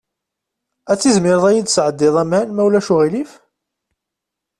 Ad tizmireḍ ad iyi-d-tesɛeddiḍ aman, ma ulac aɣilif?